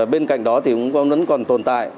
bên cạnh đó còn tồn tại